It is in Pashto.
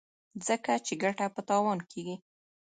ځکه چې ګټه په تاوان کېږي.